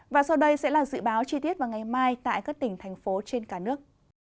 và sau đây sẽ là dự báo chi tiết vào ngày mai tại các tỉnh thành phố trên cả nước